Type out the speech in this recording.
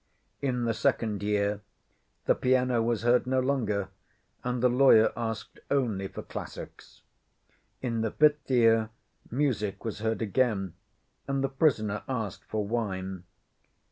In the second year the piano was heard no longer and the lawyer asked only for classics. In the fifth year, music was heard again, and the prisoner asked for wine.